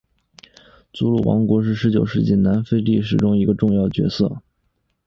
祖鲁王国是十九世纪南非的历史中的一个重要角色。